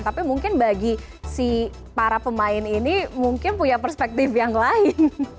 tapi mungkin bagi si para pemain ini mungkin punya perspektif yang lain